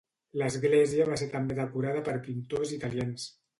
L'església va ser també decorada per pintors italians.